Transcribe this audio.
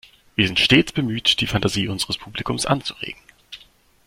Wir sind stets bemüht, die Fantasie unseres Publikums anzuregen.